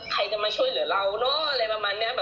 ใครจะมาช่วยเหลือเราเนอะอะไรประมาณนี้